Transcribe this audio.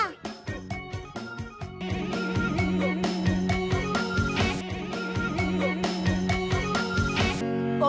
อิงโฮน